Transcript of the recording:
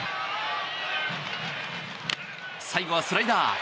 最後はスライダー。